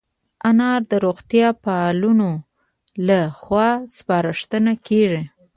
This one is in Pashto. انار د روغتیا پالانو له خوا سپارښتنه کېږي.